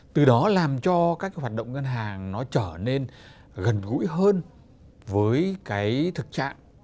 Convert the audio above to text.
từ đó làm cho các hoạt động ngân hàng trở nên gần gũi hơn với thực trạng